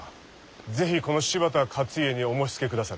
是非この柴田勝家にお申しつけくだされ。